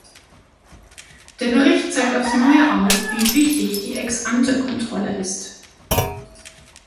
Der Bericht zeigt aufs neue auf, wie wichtig die Ex-ante-Kontrolle ist.